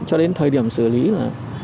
cho đến thời điểm xử lý là